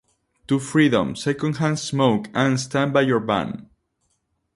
To Freedom", "Second Hand Smoke", and "Stand By Your Van".